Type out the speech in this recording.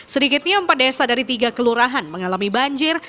sedikitnya empat desa dari tiga kelurahan mengalami banjir